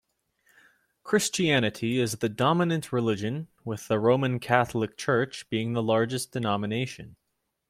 Christianity is the dominant religion, with the Roman Catholic Church being the largest denomination.